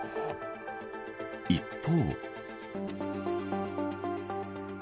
一方。